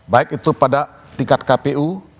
baik itu pada tingkat kpu